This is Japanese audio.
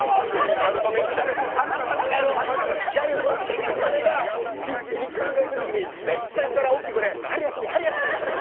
ギャル曽根が必死に考えてるときにめっちゃ横から大きい声で、春休み、春休みって。